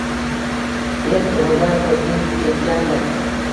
Deb tug’ilgan kunga ketgandim